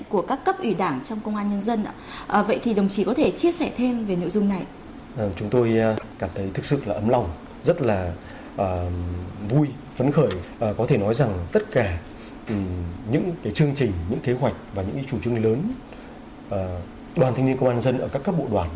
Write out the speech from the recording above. của các cấp ủy đảng trong công an nhân dân